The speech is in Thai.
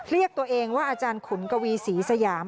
เรียกตัวเองว่าอาจารย์ขุนกวีศรีสยาม